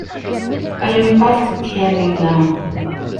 I am past caring now.